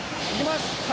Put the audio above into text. いきます！